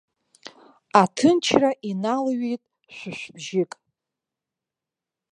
Аҭынчра иналҩит шәышәбжьык.